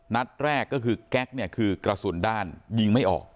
นัดแรกก็คือแก๊กเนี่ยคือกระสุนด้านยิงไม่ออก